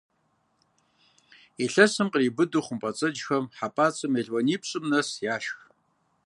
Илъэсым къриубыдэу хъумпӏэцӏэджхэм хьэпӀацӀэу мелуанипщӏым нэс яшх.